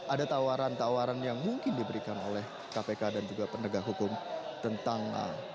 ada tawaran tawaran yang mungkin diberikan oleh kpk dan juga penegak hukum tentang